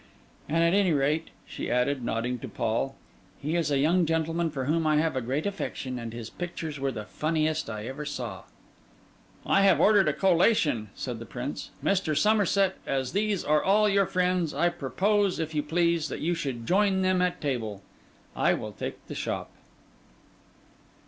And at any rate,' she added, nodding to Paul, 'he is a young gentleman for whom I have a great affection, and his pictures were the funniest I ever saw.' 'I have ordered a collation,' said the Prince. 'Mr. Somerset, as these are all your friends, I propose, if you please, that you should join them at table. I will take the shop.